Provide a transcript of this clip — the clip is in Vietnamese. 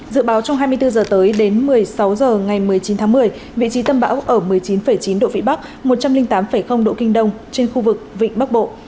dự báo trong hai mươi bốn h tới đến một mươi sáu h ngày một mươi chín tháng một mươi vị trí tâm bão ở một mươi chín chín độ vĩ bắc một trăm linh tám độ kinh đông trên khu vực vịnh bắc bộ